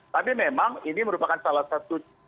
tapi memang ini merupakan salah satu